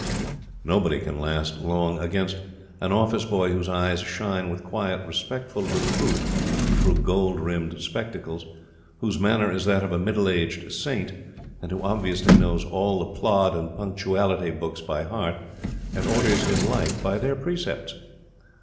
Nobody can last long against an office boy whose eyes shine with quiet, respectful reproof through gold rimmed spectacles, whose manner is that of a middle aged saint, and who obviously knows all the Plod and Punctuality books by heart and orders his life by their precepts.